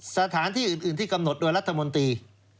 สถานที่อื่นที่กำหนดโดยรัฐมนตรี